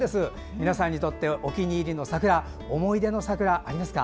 皆さんにとってお気に入りの桜思い出の桜、ありますか。